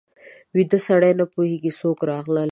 ویده سړی نه پوهېږي څوک راغلل